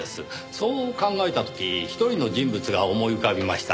そう考えた時一人の人物が思い浮かびました。